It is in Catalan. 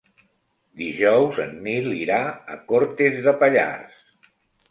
Dijous en Nil irà a Cortes de Pallars.